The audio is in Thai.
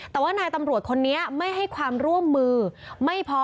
แต่ว่านายตำรวจคนนี้ไม่ให้ความร่วมมือไม่พอ